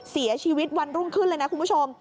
เสียชีวิตวันรุ่งขึ้นเลยนะคุณผู้ชม